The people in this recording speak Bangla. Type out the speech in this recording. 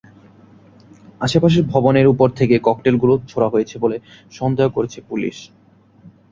আশপাশের ভবনের ওপর থেকে ককটেলগুলো ছোড়া হয়েছে বলে সন্দেহ করছে পুলিশ।